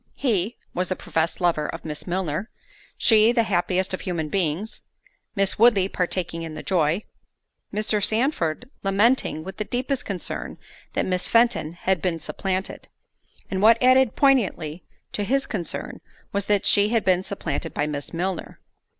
He, was the professed lover of Miss Milner—she, the happiest of human beings—Miss Woodley partaking in the joy—Mr. Sandford lamenting, with the deepest concern, that Miss Fenton had been supplanted; and what added poignantly to his concern was, that she had been supplanted by Miss Milner.